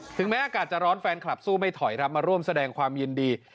แม้อากาศจะร้อนแฟนคลับสู้ไม่ถอยครับมาร่วมแสดงความยินดี